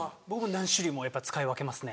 何種類も使い分けますね。